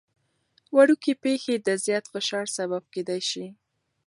وړوکي پېښې د زیات فشار سبب کېدای شي.